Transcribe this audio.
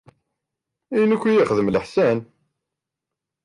Ayen akk i iyi-ixdem n leḥsan?